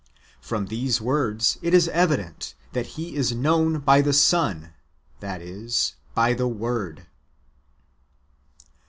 ^ From these words it is evident, that He is known by the Son, that is, by the Word.